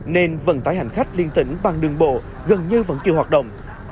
nên vận tải hành khách liên tỉnh bằng đường bộ gần như vẫn chưa hoạt động